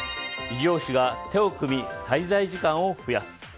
異業種が手を組み滞在時間を増やす。